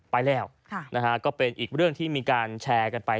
ไปแล้วก็เป็นอีกเรื่องที่มีการแชร์กันไป